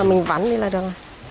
mình vắn đi là được